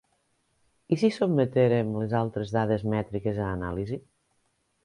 I si sotmetérem les altres dades mètriques a anàlisi?